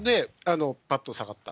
ぱっと下がった。